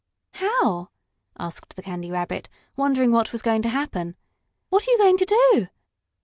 "How?" asked the Candy Rabbit, wondering what was going to happen. "What are you going to do?"